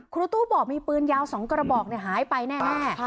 ครูตู้บอกมีปืนยาว๒กระบอกหายไปแน่